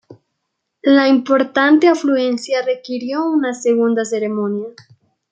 La importante afluencia requirió una segunda ceremonia.